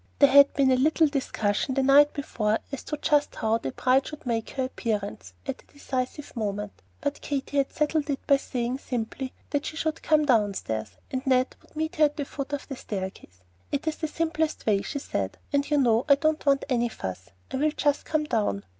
There had been a little discussion the night before as to just how the bride should make her appearance at the decisive moment; but Katy had settled it by saying simply that she should come downstairs, and Ned could meet her at the foot of the staircase. "It is the simplest way," she said; "and you know I don't want any fuss. I will just come down."